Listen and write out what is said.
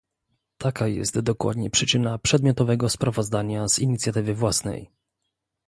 Taka jest dokładnie przyczyna przedmiotowego sprawozdania z inicjatywy własnej